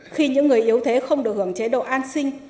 khi những người yếu thế không được hưởng chế độ an sinh